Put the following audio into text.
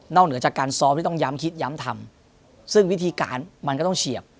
เหนือจากการซ้อมที่ต้องย้ำคิดย้ำทำซึ่งวิธีการมันก็ต้องเฉียบ